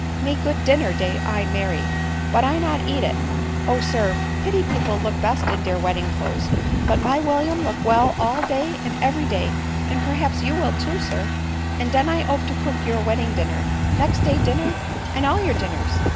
" Me good dinner day I marry, but I not eat it. O sir, pity people look best in dere wedding clothes, but my William look well all day and every day, and per haps you will too, sir ; and den I ope to cook you wed ding dinner, next day dinner, and all your dinners."